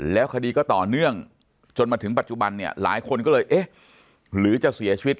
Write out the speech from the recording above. แล้วคดีก็ต่อเนื่องจนมาถึงปัจจุบันเนี่ยหลายคนก็เลยเอ๊ะหรือจะเสียชีวิต